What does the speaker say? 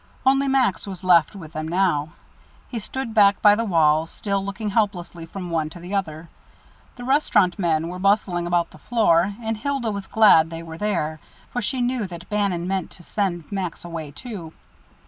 Only Max was left with them now. He stood back by the wall, still looking helplessly from one to the other. The restaurant men were bustling about the floor; and Hilda was glad they were there, for she knew that Bannon meant to send Max away, too.